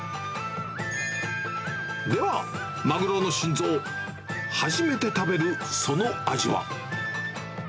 では、マグロの心臓、初めて食べるその味は？